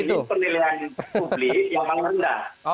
ini penilaian publik yang paling rendah